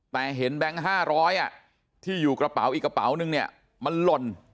แต่เห็นแบงค์๕๐๐ที่อยู่กระเป๋าอีกกระเป๋านึงเนี่ยมันหล่น